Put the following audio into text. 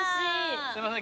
すいません